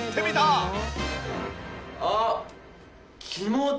あっ！